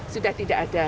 sudah tidak ada